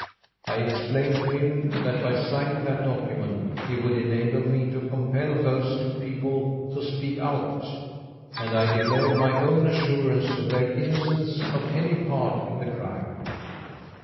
I explained to him that, by signing that document, he would enable me to compel those two people to speak out; and I declared my own assurance of their innocence of any part in the crime.